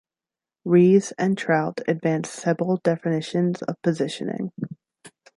Ries and Trout advanced several definitions of positioning.